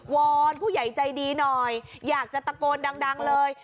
อนผู้ใหญ่ใจดีหน่อยอยากจะตะโกนดังเลย